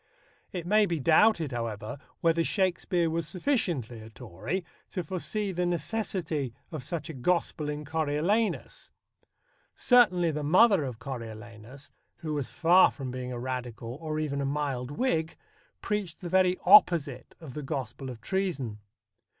It may be doubted, however, whether Shakespeare was sufficiently a Tory to foresee the necessity of such a gospel in Coriolanus. Certainly, the mother of Coriolanus, who was far from being a Radical, or even a mild Whig, preached the very opposite of the gospel of treason.